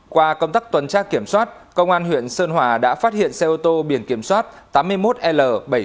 qua công tác tuần tra kiểm soát công an huyện sơn hòa đã phát hiện xe ô tô biển kiểm soát tám mươi một l bảy nghìn sáu trăm tám mươi bảy